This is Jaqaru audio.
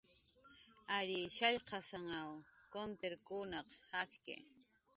Ary shallqsananw kuntirkunaq jakki